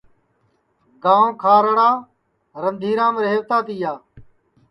گانٚو کھارڑارندھیرام ریہوتا تِیا